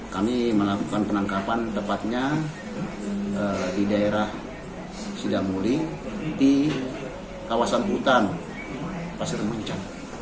kami melakukan penangkapan tepatnya di daerah sidamuli di kawasan hutan pasir muncang